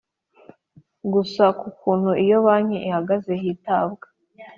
gusa ku kuntu iyo banki ihagaze hitabwa